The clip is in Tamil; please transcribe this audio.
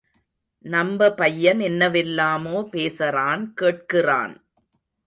நம்ப பையன் என்னவெல்லாமோ பேசறான் கேட்கிறான்.